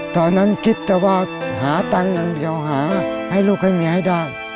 ตอนนั้นคิดแต่ว่าหาตังค์อย่างเดียวหาให้ลูกให้เมียให้ได้